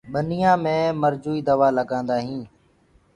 ٻنيآ مي مرجو ڪيٚ دوآ لگآندآ هينٚ۔